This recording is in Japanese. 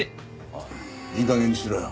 おいいい加減にしろよ。